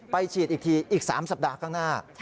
ฉีดอีกทีอีก๓สัปดาห์ข้างหน้า